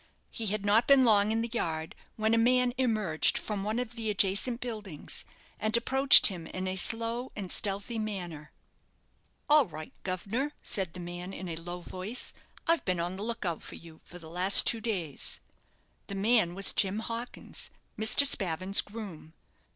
He had not been long in the yard, when a man emerged from one of the adjacent buildings, and approached him in a slow and stealthy manner. "All right, guv'nor," said the man, in a low voice; "I've been on the look out for you for the last two days." The man was Jim Hawkins, Mr. Spavin's groom.